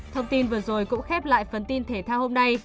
thông tin vừa rồi cũng khép lại phần tin thể thao hôm nay